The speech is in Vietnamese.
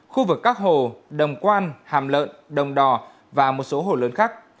khu vực các hồ đồng quan hàm lợn đồng đò và một số hồ lớn khác